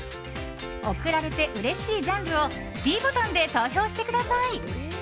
贈られてうれしいジャンルをｄボタンで投票してください。